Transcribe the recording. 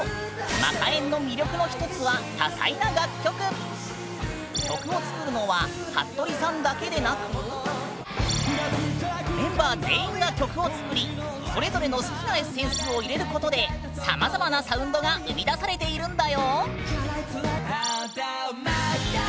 マカえんの魅力の一つは曲を作るのははっとりさんだけでなくメンバー全員が曲を作りそれぞれの好きなエッセンスを入れることでさまざまなサウンドが生み出されているんだよ！